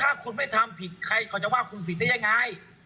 ถ้าคุณไม่ทำผิดใครเขาจะว่าคุณผิดได้ยังไง